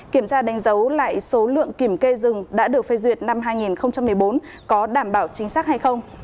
kiểm tra đánh dấu lại số lượng kiểm kê rừng đã được phê duyệt năm hai nghìn một mươi bốn có đảm bảo chính xác hay không